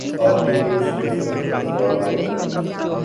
پاک ٹیم کے شکستہ کے اسباب کیا تھے